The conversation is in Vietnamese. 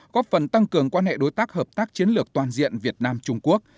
góp phần tăng cường quan hệ đối tác hợp tác chiến lược toàn diện việt nam trung quốc